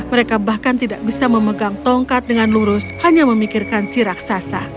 mereka bahkan tidak bisa memegang tongkat dengan lurus hanya memikirkan si raksasa